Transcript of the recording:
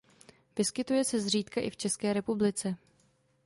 Vyskytuje se zřídka i v České republice.